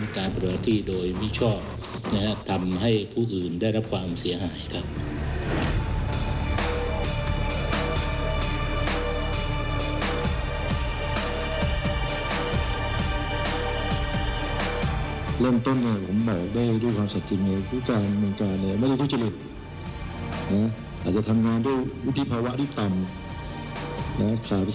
การผิดตามมาตรา๑๕๗นะครับสธิบัติหน้าที่หรือ